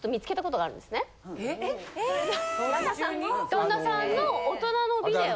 ・旦那さんの大人のビデオ。